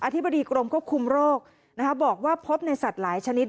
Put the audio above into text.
ธิบดีกรมควบคุมโรคบอกว่าพบในสัตว์หลายชนิด